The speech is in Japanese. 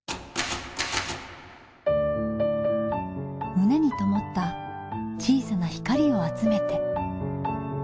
胸にともった小さな光を集めて。